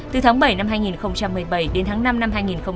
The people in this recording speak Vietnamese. từ tháng bảy năm hai nghìn một mươi bảy đến tháng năm năm hai nghìn một mươi chín